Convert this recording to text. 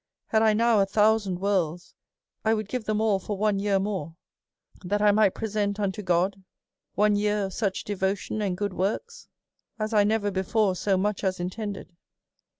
^'' Had I now a thousand worlds, I would give them all for one year more, that I might present unto God one year of such devotion and good works, as I never before so much as intended.